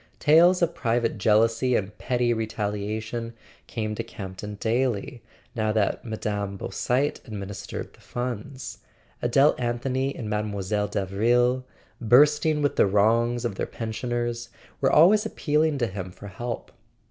Tales of private jealousy and petty retaliation came to Campton daily, now that Mme. Beausite administered the funds; Adele Anthony and Mile. Davril, bursting with the wrongs of their pensioners, were always appealing to him for help.